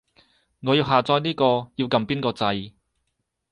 我要下載呢個，要撳邊個掣